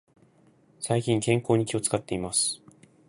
最近、健康に気を使っています。